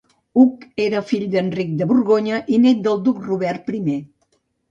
Hugh era fill d'Enric de Borgonya i nét del duc Robert primer.